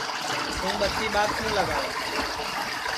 توں ٻتی ٻات کیوں لگاوے